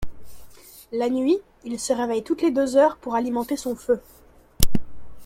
La nuit, il se réveille toutes les deux heures pour alimenter son feu.